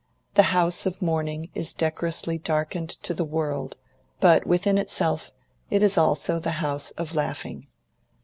The house of mourning is decorously darkened to the world, but within itself it is also the house of laughing.